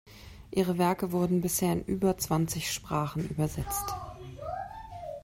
Ihre Werke wurden bisher in über zwanzig Sprachen übersetzt.